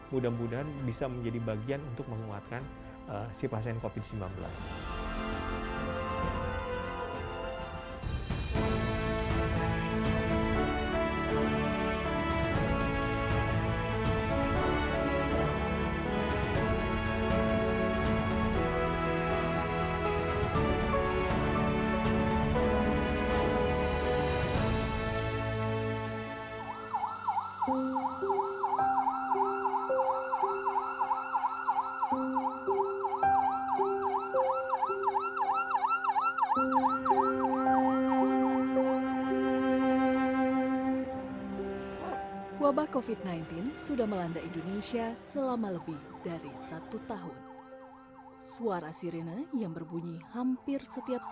mudah mudahan bisa menjadi bagian untuk menguatkan si pasien covid sembilan belas